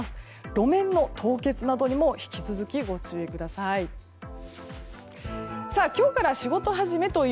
路面の凍結などにも引き続きご注意ください。